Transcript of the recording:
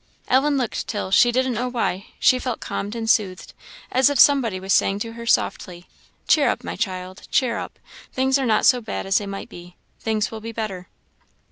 Ellen looked till, she didn't know why, she felt calmed and soothed as if somebody was saying to her softly, "Cheer up, my child, cheer up; things are not so bad as they might be: things will be better."